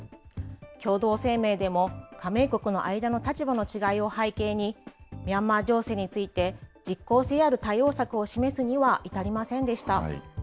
共同声明でも加盟国の間の立場の違いを背景に、ミャンマー情勢について実効性ある対応策を示すには至りませんでした。